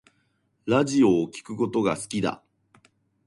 ラジオを聴くことが好きだ